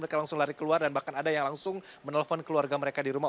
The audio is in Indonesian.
mereka langsung lari keluar dan bahkan ada yang langsung menelpon keluarga mereka di rumah